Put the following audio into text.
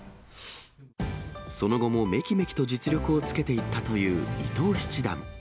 その後もめきめきと実力をつけていったという伊藤七段。